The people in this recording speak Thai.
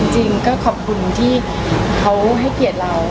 จริงก็ขอบคุณที่เขาให้เกียรติเรา